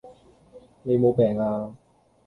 你無病呀?